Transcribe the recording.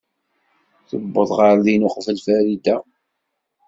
Tuweḍ ɣer din uqbel Farida.